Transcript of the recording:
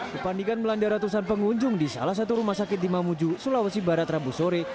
kepandikan melanda ratusan pengunjung di salah satu rumah sakit di mamuju sulawesi barat rabu sore